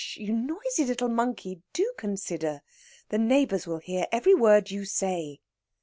You noisy little monkey, do consider! The neighbours will hear every word you say."